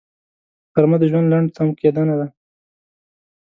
غرمه د ژوند لنډ تم کېدنه ده